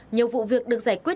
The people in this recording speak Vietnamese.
nhiều vụ việc được giải quyết